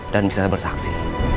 dan bisa bersaksi